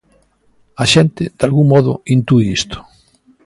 A xente, dalgún modo, intúe isto.